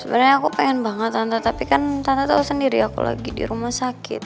sebenarnya aku pengen banget tante tapi kan tante tahu sendiri aku lagi di rumah sakit